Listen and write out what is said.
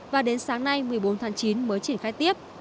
và đến sáng nay một mươi bốn tháng chín mới triển khai tiếp